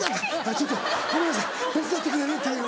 ちょっとごめんなさい手伝ってくれる？」っていう。